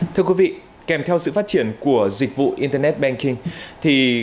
thưa quý vị kèm theo sự phát triển của dịch vụ internet banking hay còn gọi là dịch vụ ngân hàng điện tử